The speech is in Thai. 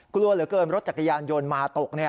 กลัวเหลือเกินรถจักรยานยนต์มาตก